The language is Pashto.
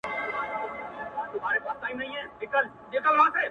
• د سترگو توره سـتــا بـلا واخلـمـه ـ